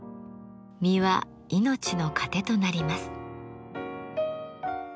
実は命の糧となります。